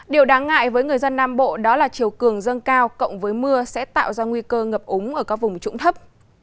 điều đáng ngại với người dân nam bộ đó là chiều cường dâng cao cộng với mưa sẽ tạo ra nguy cơ ngập úng ở các vùng trũng thấp